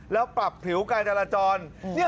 แล้วปรับผิวการจราจร